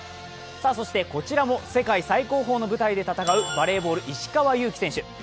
こちらも世界最高峰の舞台で戦うバレーボール・石川祐希選手。